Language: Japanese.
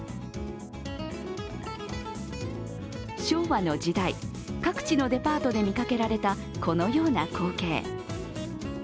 昭和の時代、各地のデパートで見かけられたこのような光景。